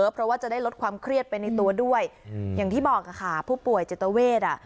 เพราะว่าจะได้ลดความเครียดไปในตัวด้วยอย่างที่บอกค่ะผู้ป่วยจิตเวทอ่ะ